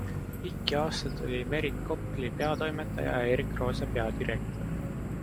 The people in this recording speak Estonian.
Pikki aastaid oli Merit Kopli peatoimetaja ja Erik Roose peadirektor.